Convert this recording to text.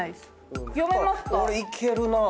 俺いけるなぁ。